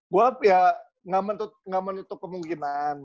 gua ya gak menutup kemungkinan